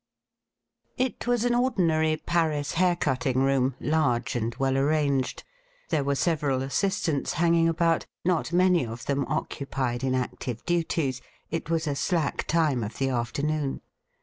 It was an ordinary Paris hair cutting room, large and well arranged. There were several assist ants hanging about, not many of them occupied in active duties. It was a slack time of the afternoon.